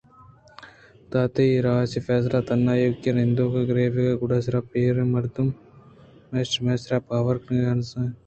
پدا تئی آروسےفیصلہ تہنا ایوک ءَ نندگ ءُگرٛیوک ءُگُڈ سرءَ پیریں مردءِ شمئے سرا باور کنگ ءُہانز ءِ گوں تو نزّیکی ءِ پُژدر ءَ کلام ءِ دست مان اِنت انچونابلئے چیزے ءُوڑے ناوڑے ءَہوار اَنت